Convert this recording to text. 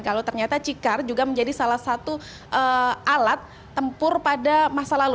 kalau ternyata cikar juga menjadi salah satu alat tempur pada masa lalu